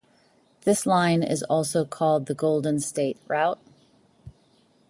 This line is also called the "Golden State Route".